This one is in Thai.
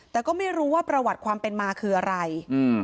แต่ก็ไม่รู้ว่าประวัติความเป็นมาคืออะไร